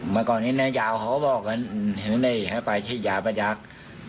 มาก่อนนี้นะยาวเขาบอกกันถึงนี่ให้ไปที่หยาปัจจักร